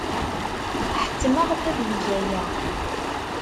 Ḥettmeɣ-t ad yeg aya.